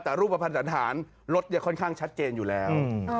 แต่รูปประพันธ์สันฐานลดค่อนข้างชัดเจนอยู่แล้ว